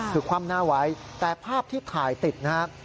คือคว่ำหน้าไว้แต่ภาพที่ถ่ายติดนะครับ